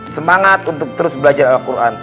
semangat untuk terus belajar al quran